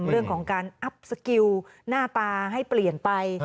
เรื่องของการอัพสกิลหน้าตาให้เปลี่ยนไป